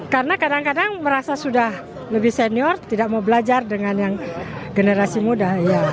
karena kadang kadang merasa sudah lebih senior tidak mau belajar dengan yang generasi muda